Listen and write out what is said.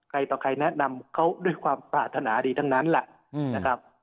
ต่อใครแนะนำเขาด้วยความปรารถนาดีทั้งนั้นแหละนะครับ